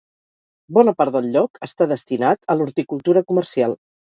Bona part del lloc està destinat a l'horticultura comercial.